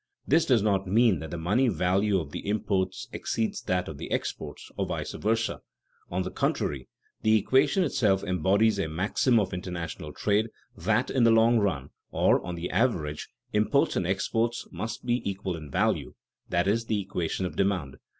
This does not mean that the money value of the imports exceeds that of the exports, or vice versa. On the contrary, the equation itself embodies a maxim of international trade that "in the long run," or "on the average," imports and exports must be equal in value (i.e., equation of demand).